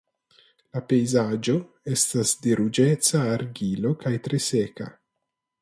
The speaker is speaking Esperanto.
La pejzaĝo estas de ruĝeca argilo kaj tre seka.